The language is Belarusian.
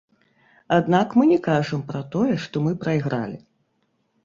Аднак мы не кажам пра тое, што мы прайгралі.